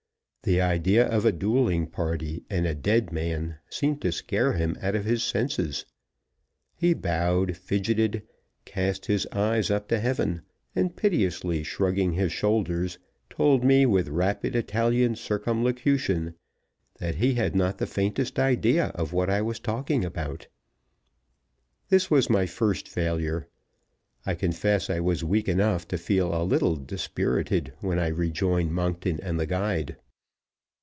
The idea of a dueling party and a dead man seemed to scare him out of his senses. He bowed, fidgeted, cast his eyes up to heaven, and piteously shrugging his shoulders, told me, with rapid Italian circumlocution, that he had not the faintest idea of what I was talking about. This was my first failure. I confess I was weak enough to feel a little dispirited when I rejoined Monkton and the guide.